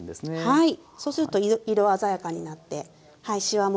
はい。